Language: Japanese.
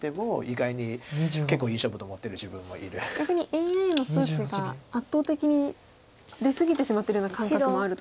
逆にＡＩの数値が圧倒的に出過ぎてしまってるような感覚もあると。